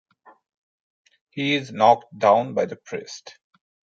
He is knocked down by the priest.